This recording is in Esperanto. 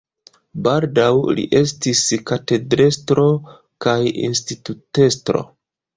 Baldaŭ li estis katedrestro kaj institutestro.